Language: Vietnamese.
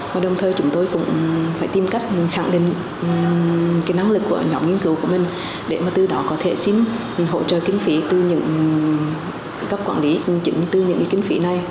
và đồng thời chúng tôi cũng phải tìm cách khẳng định cái năng lực của nhóm nghiên cứu của mình để mà từ đó có thể xin hỗ trợ kinh phí từ những cấp quản lý chính từ những cái kinh phí này